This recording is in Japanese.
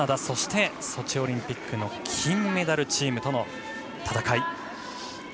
そして、ソチオリンピックの金メダルチームとの戦い。